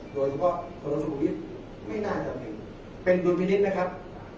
โดยที่ว่าโทรสูริสต์ไม่น่าจะเพิ่งเป็นธุรกิจนะครับ